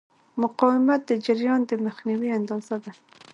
مقاومت د جریان د مخنیوي اندازه ده.